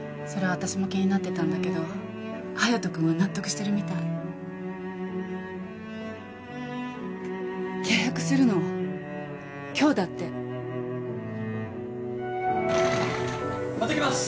私も気になってたんだけど隼人君は納得してるみたい契約するの今日だってまた来ます！